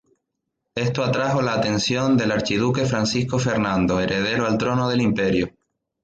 Esto atrajo la atención del archiduque Francisco Fernando, heredero al trono del Imperio.